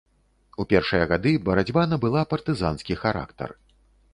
У першыя гады барацьба набыла партызанскі характар.